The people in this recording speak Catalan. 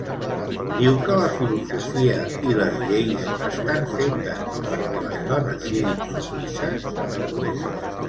Diu que la filosofia i les lleis estan fetes perquè les dones siguin submises?